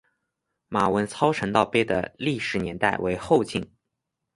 马文操神道碑的历史年代为后晋。